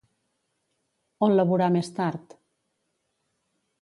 On laborar més tard?